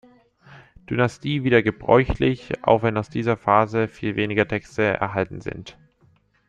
Dynastie wieder gebräuchlich, auch wenn aus dieser Phase viel weniger Texte erhalten sind.